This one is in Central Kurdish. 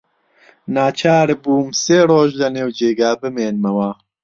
ناچار بووم سێ ڕۆژ لەنێو جێگا بمێنمەوە.